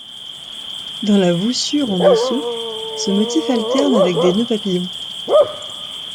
Dans la voussure en dessous, ce motif alterne avec des nœuds papillon.